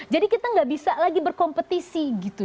jadi kita enggak bisa lagi berkompetisi gitu